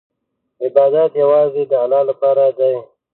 عبادت یوازې د الله لپاره دی.